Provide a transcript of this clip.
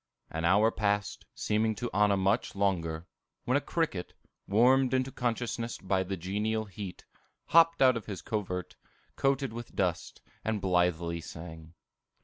An hour passed, seeming to Anna much longer, when a cricket, warmed into consciousness by the genial heat, hopped out of his covert, coated with dust, and blithely sang.